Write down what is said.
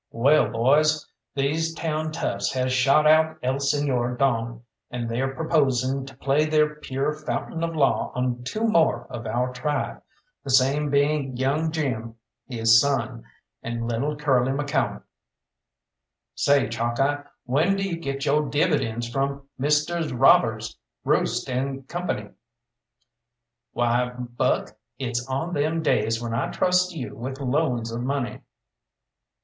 Wall, boys, these town toughs has shot out El Señor Don, and they're proposing to play their pure fountain of law on two more of our tribe, the same being young Jim his son, and little Curly McCalmont." "Say, Chalkeye, when do you get yo' dividends from Messrs. Robbers, Roost, and Co.?" "Why, Buck, it's on them days when I trusts you with loans of money."